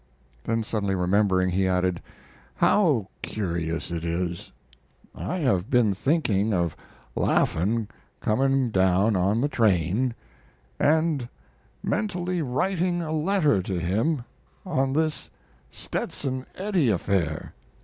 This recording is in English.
Then, suddenly remembering, he added: "How curious it is! I have been thinking of Laffan coming down on the train, and mentally writing a letter to him on this Stetson Eddy affair."